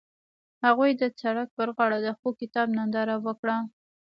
هغوی د سړک پر غاړه د خوږ کتاب ننداره وکړه.